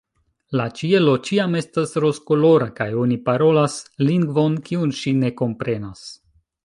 la ĉielo ĉiam estas rozkolora, kaj oni parolas lingvon kiun ŝi ne komprenas.